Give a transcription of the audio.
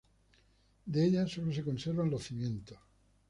De ella solo se conservan los cimientos.